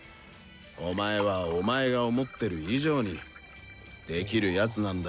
お前はお前が思ってる以上に出来る奴なんだよ。